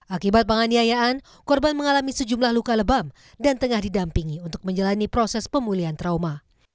akibat penganiayaan korban mengalami sejumlah luka lebam dan tengah didampingi untuk menjalani proses pemulihan trauma